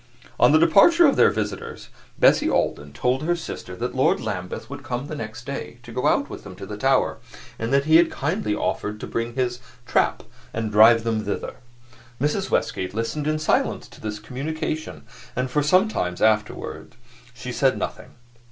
On the departure of their visitors, Bessie Alden told her sister that Lord Lambeth would come the next day, to go with them to the Tower, and that he had kindly offered to bring his "trap" and drive them thither. Mrs. Westgate listened in silence to this communication, and for some time afterward she said nothing.